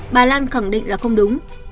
bà lan khẳng định là không đúng